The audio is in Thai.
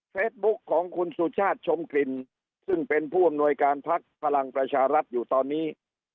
ของคุณสุชาติชมกลิ่นซึ่งเป็นผู้อำนวยการพักพลังประชารัฐอยู่ตอนนี้